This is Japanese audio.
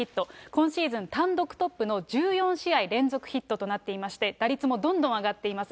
今シーズン単独トップの１４試合連続ヒットとなっていまして、打率もどんどん上がっています。